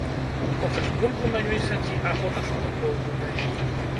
Хочаш бульбу на ёй садзі, а хочаш у футбол гуляй.